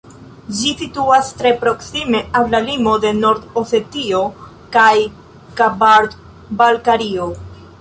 Ĝi situas tre proksime al la limo de Nord-Osetio kaj Kabard-Balkario.